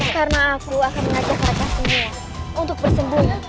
karena aku akan mengajak mereka semua untuk bersembunyi